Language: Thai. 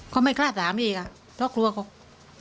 เขาไม่กล้าถามอีกอ่ะเพราะกลัวเขา